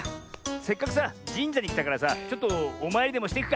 せっかくさじんじゃにきたからさちょっとおまいりでもしていくか。